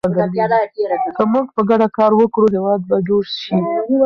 که موږ په ګډه کار وکړو، هېواد به جوړ شي.